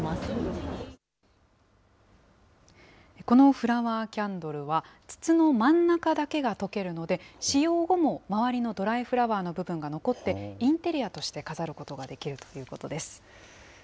このフラワーキャンドルは、筒の真ん中だけが溶けるので、使用後も周りのドライフラワーの部分が残って、インテリアとして飾ることができるということです。